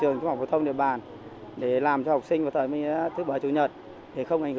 để chúng tôi thông báo và sắp xếp sẽ làm cho dân ở các xã đấy trong một ngày thứ bảy hoặc thứ nhật